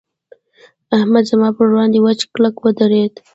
احمد زما پر وړاند وچ کلک ودرېد.